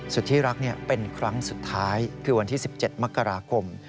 สุธิรักเป็นครั้งสุดท้ายคือวันที่๑๗มกราคม